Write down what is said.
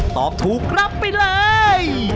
ตอบถูกรับไปเลย